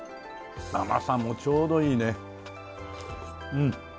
甘さもちょうどいいねうん。